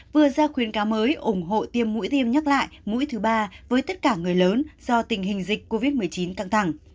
vừa ra khuyến cáo mới ủng hộ tiêm mũi tiêm nhắc lại mũi thứ ba với tất cả người lớn do tình hình dịch covid một mươi chín căng thẳng